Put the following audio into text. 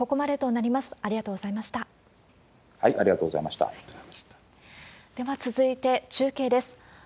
では続いて、中継です。